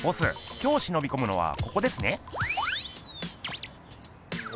今日しのびこむのはここですね。